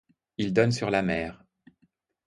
Il donne sur la mer.